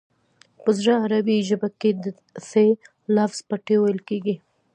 په زړه عربي ژبه کې د ث لفظ په ت ویل کېږي